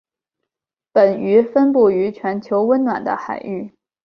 本鱼分布于全球温暖的海域。